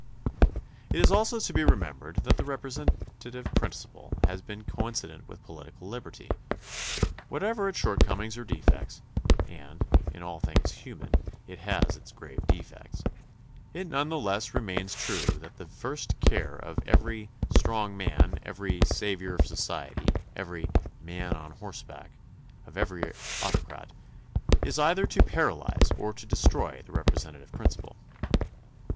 It is also to be remembered that the representative principle has been coincident with political liberty. Whatever its shortcomings or defects, and, like aU things human, it has its grave defects, it none the less remains true that the first care of every "strong man," every "saviour of society," every "man on horseback," of every autocrat, is either to paralyze or to destroy the representative principle.